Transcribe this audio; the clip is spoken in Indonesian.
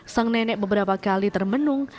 sang nenek beberapa kali termenung